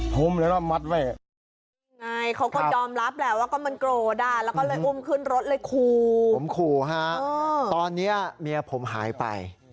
ผมขู่ฮะตอนนี้เมียผมหายไป